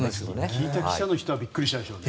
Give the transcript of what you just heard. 聞いた記者の人はびっくりしたでしょうね。